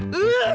gua jalan deh